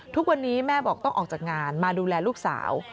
ทุกวันนี้แม่บอกต้องออกจากงานมาดูแลลูกสาว